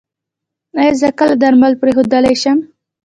ایا زه کله درمل پریښودلی شم؟